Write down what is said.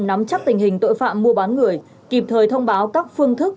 nắm chắc tình hình tội phạm mua bán người kịp thời thông báo các phương thức